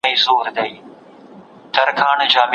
د کتاب سرپاڼه د هغه پیژندنه ده.